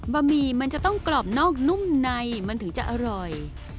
หมี่มันจะต้องกรอบนอกนุ่มในมันถึงจะอร่อย